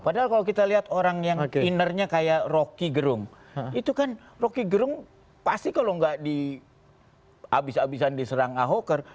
padahal kalau kita lihat orang yang innernya kaya rocky gerung itu kan rocky gerung pasti kalau gak di abis abisan diserang ahoker